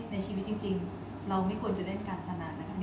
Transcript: ในชีวิตจริงเราไม่ควรจะเล่นการพนันนะคะ